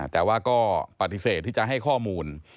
แต่ว่าก็ปฏิเสธที่จะให้ข้อมูล